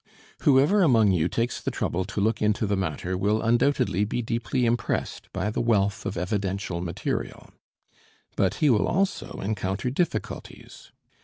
Whoever among you takes the trouble to look into the matter will undoubtedly be deeply impressed by the wealth of evidential material. But he will also encounter difficulties.